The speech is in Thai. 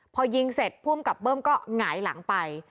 พอยิงเสร็จภูมิกับเบิ้มก็หงายหลังไป